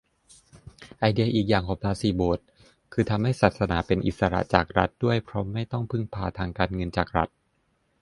ไอเดียอีกอย่างของภาษีโบสถ์ คือทำให้ศาสนาเป็นอิสระจากรัฐด้วย เพราะไม่ต้องพึ่งพาทางการเงินจากรัฐ